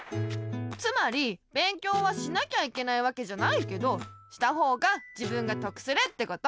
つまり勉強はしなきゃいけないわけじゃないけどしたほうが自分がとくするってこと。